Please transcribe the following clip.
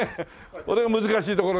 これが難しいところだよな。